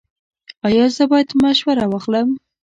ایا زه باید مشوره واخلم؟